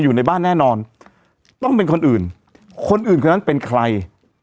อยู่ในบ้านแน่นอนต้องเป็นคนอื่นคนอื่นคนนั้นเป็นใคร